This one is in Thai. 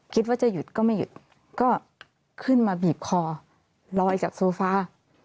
คิดว่าจะหยุดก็ไม่หยุดก็ขึ้นมาบีบคอลอยจากโซฟา